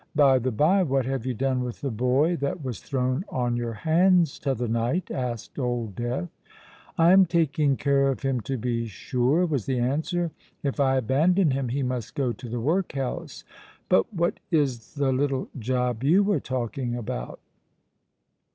"By the bye, what have you done with the boy that was thrown on your hands t'other night?" asked Old Death. "I am taking care of him, to be sure," was the answer. "If I abandon him, he must go to the workhouse. But what is the little job you were talking about?"